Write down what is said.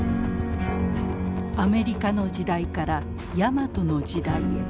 アメリカの時代からヤマトの時代へ。